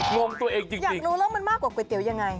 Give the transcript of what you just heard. งงตัวเองจริงอยากรู้แล้วมันมากกว่าก๋วยเตี๋ยวยังไง